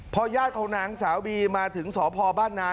พอญาติของนางสาวบีมาถึงสพบ้านนา